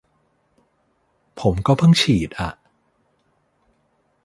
ผมก็เพิ่งฉีดอะ